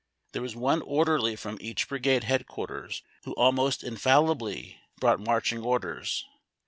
There was one orderly from each brigade headquarters who almost infallibly brought marching orders.